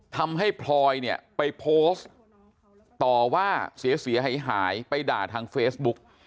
พลอยเนี่ยไปโพสต์ต่อว่าเสียหายหายไปด่าทางเฟซบุ๊ก